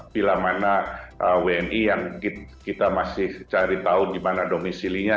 bila mana wni yang kita masih cari tahu dimana domisili nya